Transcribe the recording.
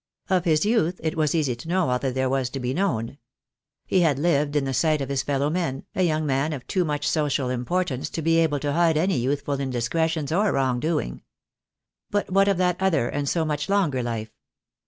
Of his youth it was easy to know all that there was to be known. He had lived in the sight of his fellowmen, a young man of too much social importance to be able to hide any youthful indis cretions or wrong doing. But what of that other and so much longer life?